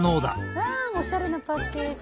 うわおしゃれなパッケージ！